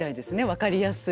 分かりやすい。